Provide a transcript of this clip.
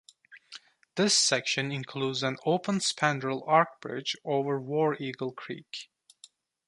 This section includes an open-spandrel arch bridge over War Eagle Creek.